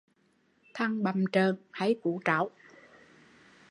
Thằng bặm trơn, hay cú tráu